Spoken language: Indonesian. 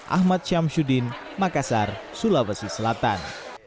ahmad syamsuddin makassar sulawesi selatan